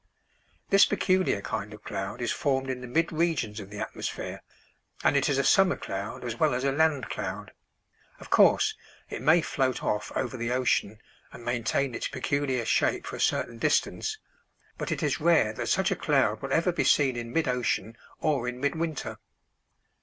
This peculiar kind of cloud is formed in the mid regions of the atmosphere, and it is a summer cloud as well as a land cloud. Of course, it may float off over the ocean and maintain its peculiar shape for a certain distance, but it is rare that such a cloud would ever be seen in mid ocean or in midwinter.